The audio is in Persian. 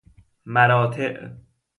مراتع